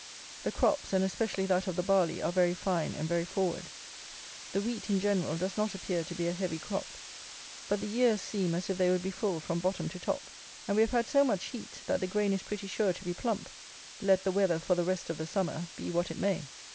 The crops, and especially that of the barley, are very fine and very forward. The wheat, in general, does not appear to be a heavy crop; but the ears seem as if they would be full from bottom to top; and we have had so much heat, that the grain is pretty sure to be plump, let the weather, for the rest of the summer, be what it may.